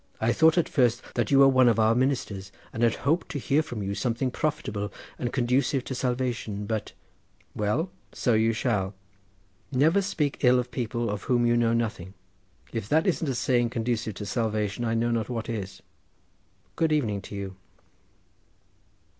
I thought at first that you were one of our ministers, and had hoped to hear from you something profitable and conducive to salvation, but—" "Well, so you shall. Never speak ill of people of whom you know nothing. If that isn't a saying conducive to salvation I know not what is. Good evening to you."